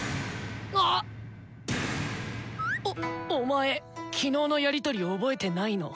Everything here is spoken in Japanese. あ⁉おっお前昨日のやり取り覚えてないの？